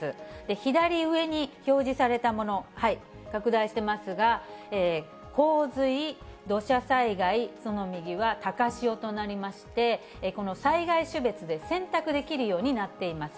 左上に表示されたもの、拡大してますが、洪水、土砂災害、その右は高潮となりまして、この災害種別で選択できるようになっています。